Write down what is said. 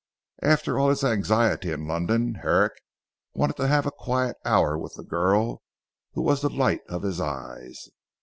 After all his anxiety in London Herrick wanted to have a quiet hour with the girl who was the light of his eyes.